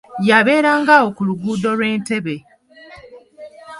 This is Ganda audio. Yabeeranga awo ku luguudo lw'entebbe.